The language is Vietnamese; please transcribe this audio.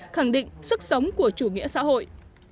khẳng định sức sống của chủ nghĩa xã hội